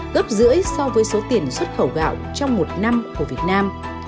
gấp rưỡi so với số tiền xuất khẩu gạo trong một năm của việt nam